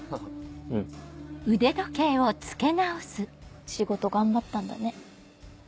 うん仕事頑張ったんだね